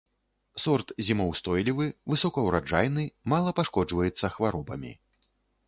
Сорт зімаўстойлівы, высокаўраджайны, мала пашкоджваецца хваробамі.